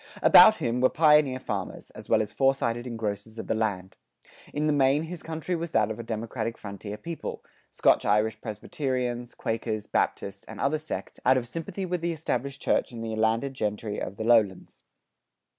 About him were pioneer farmers, as well as foresighted engrossers of the land. In the main his country was that of a democratic frontier people Scotch Irish Presbyterians, Quakers, Baptists, and other sects,[94:1] out of sympathy with the established church and the landed gentry of the lowlands.